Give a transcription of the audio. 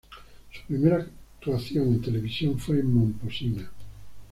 Su primera actuación en televisión fue en Momposina.